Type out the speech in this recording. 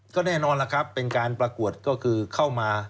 ก็แน่นอนล่ะครับเป็นการประกวดก็คือเข้ามา